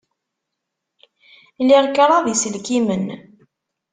Liɣ kraḍ n yiselkimen.